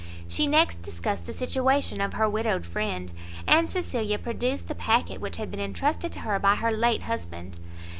She next discussed the situation of her widowed friend, and Cecilia produced the packet which had been entrusted to her by her late husband.